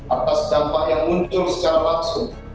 atas dampak yang muncul secara langsung